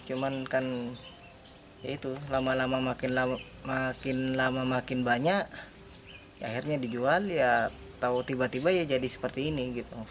cuma kan lama lama makin banyak akhirnya dijual tiba tiba jadi seperti ini